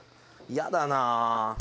やだなぁ。